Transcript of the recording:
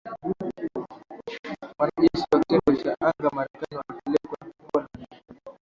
Wanajeshi wa kitengo cha anga Marekani wamepelekwa Poland